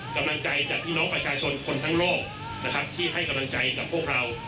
กำลังใจจากพี่น้องประชาชนคนทั้งโลกนะครับที่ให้กำลังใจกับพวกเรา